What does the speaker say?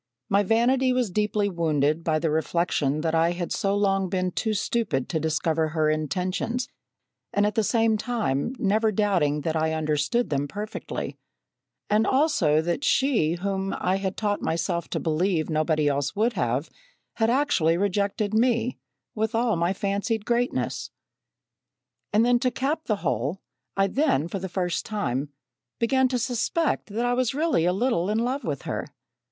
My vanity was deeply wounded by the reflection that I had so long been too stupid to discover her intentions, and at the same time never doubting that I understood them perfectly; and also, that she, whom I had taught myself to believe nobody else would have, had actually rejected me, with all my fancied greatness. "And then to cap the whole, I then, for the first time, began to suspect that I was really a little in love with her.